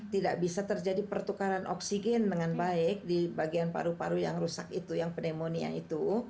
tidak bisa terjadi pertukaran oksigen dengan baik di bagian paru paru yang rusak itu yang pneumonia itu